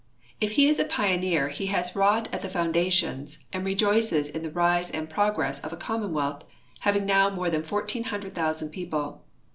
If he is a pioneer he has wrought at the foundations and rejoices in the rise and progress of a commonwealth having now more than fourteen hundred thousand people.